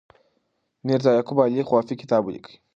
میرزا یعقوب علي خوافي کتاب لیکي.